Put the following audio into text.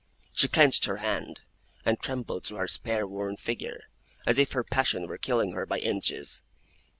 She clenched her hand, and trembled through her spare, worn figure, as if her passion were killing her by inches.